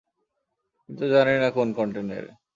কিন্তু জানি না কোন কন্টেইনারে।